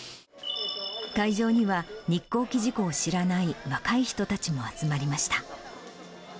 会場には、日航機事故を知らない若い人たちも集まりました。